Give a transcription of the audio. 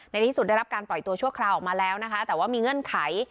ในที่สุดได้รับการปล่อยตัวชั่วคราวออกมาแล้วนะคะแต่ว่ามีเงื่อนไข